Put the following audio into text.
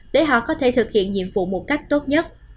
để họ có thể thực hiện nhiệm vụ một cách tốt nhất